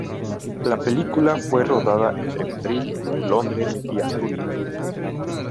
La película fue rodada entre Madrid, Londres y Asturias.